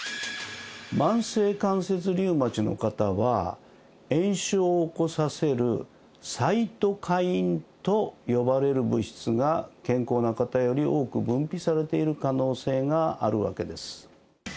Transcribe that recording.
慢性関節リウマチの方は炎症を起こさせるサイトカインと呼ばれる物質が健康な方より多く分泌されている可能性があるわけです